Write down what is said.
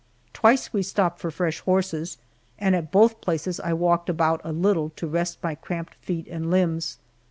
Twice we stopped for fresh horses, and at both places I walked about a little to rest my cramped feet and limbs.